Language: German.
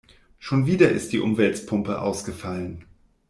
Schon wieder ist die Umwälzpumpe ausgefallen.